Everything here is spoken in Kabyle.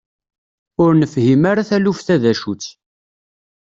Ur nefhim ara taluft-a d acu-tt.